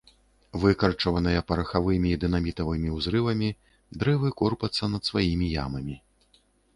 Выкарчаваныя парахавымі і дынамітавымі ўзрывамі, дрэвы корпацца над сваімі ямамі.